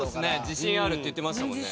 自信あるって言ってましたもんね。